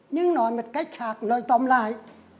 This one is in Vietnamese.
nhưng nói một cách khác nói tóm lại